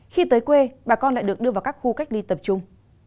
khi tới quê bà con lại được đưa vào các khu cách ly tập trung